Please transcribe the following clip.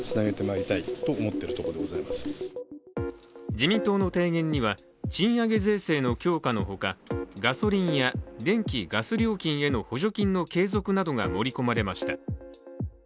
自民党の提言には賃上げ税制の強化のほかガソリンや電気・ガス料金への補助金の継続などが盛り込まれました。